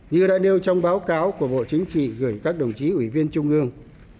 như đã nêu trong báo cáo của bộ chính trị gửi các đồng chí ủy viên trung ương